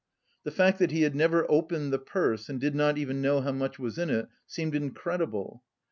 The fact that he had never opened the purse and did not even know how much was in it seemed incredible.